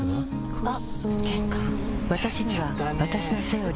あっ！